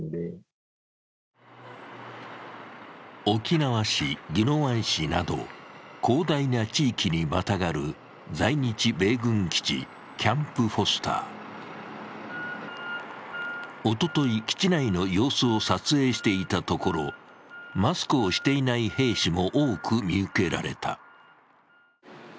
沖縄市、宜野湾市など、広大な地域にまたがる在日米軍基地キャンプ・フォスターおととい、基地内の様子を撮影していたところ、マスクをしていない兵士も多く見受けられた。